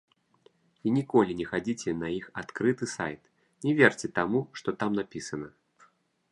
І ніколі не хадзіце на іх адкрыты сайт, не верце таму, што там напісана.